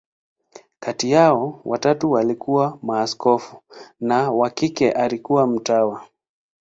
Kati yao, watatu walikuwa maaskofu, na wa kike alikuwa mtawa.